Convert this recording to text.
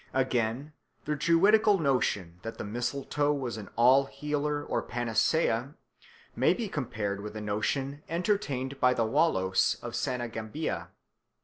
Again, the Druidical notion that the mistletoe was an "all healer" or panacea may be compared with a notion entertained by the Walos of Senegambia.